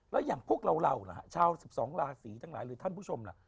แล้วอย่างพวกเราล่ะฮะชาว๑๒ราศีทั้งหลายหรือท่านผู้ชมล่ะ